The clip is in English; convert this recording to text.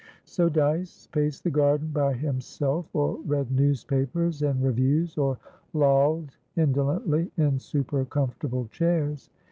So Dyce paced the garden by himself, or read newspapers and reviews, or lolled indolently in super comfortable chairs.